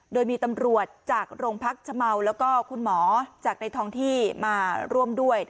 โดยมีตำรวจจากโรงพักชะเมาแล้วก็คุณหมอจากในท้องที่มาร่วมด้วย